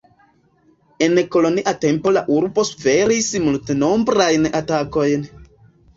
En kolonia tempo la urbo suferis multnombrajn atakojn.